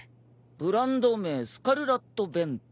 ブランド名スカルラット・ヴェント。